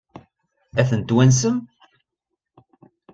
Ad tent-twansem?